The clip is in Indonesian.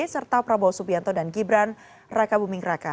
serta prabowo subianto dan gibran raka buming raka